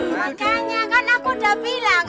makanya kan aku udah bilang